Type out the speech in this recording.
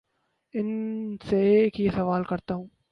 ان سے ایک ہی سوال کرتا ہے